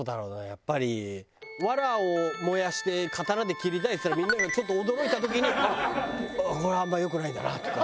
やっぱり「ワラを燃やして刀で切りたい」っつったらみんながちょっと驚いた時にあっこれはあんま良くないんだなとかいう反省だから。